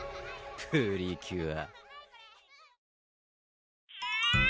プリキュア